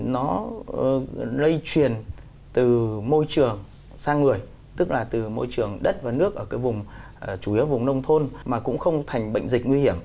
nó lây truyền từ môi trường sang người tức là từ môi trường đất và nước ở cái vùng chủ yếu ở vùng nông thôn mà cũng không thành bệnh dịch nguy hiểm